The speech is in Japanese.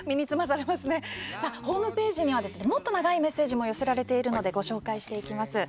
ホームページにはもっと長いメッセージも寄せられているのでご紹介します。